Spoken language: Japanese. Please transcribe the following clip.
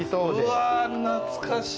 うわ、懐かしい。